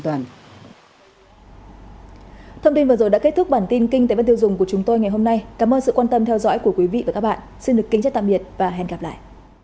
xin được kính chất tạm biệt và hẹn gặp lại